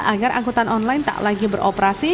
agar angkutan online tak lagi beroperasi